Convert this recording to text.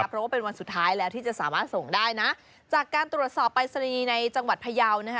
เพราะว่าเป็นวันสุดท้ายแล้วที่จะสามารถส่งได้นะจากการตรวจสอบปรายศนีย์ในจังหวัดพยาวนะคะ